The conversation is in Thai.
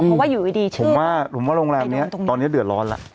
เพราะว่าอยู่ดีใช่ไหมผมว่าผมว่าโรงแรมนี้ตอนนี้เดือดร้อนแล้ว